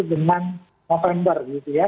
dengan november gitu ya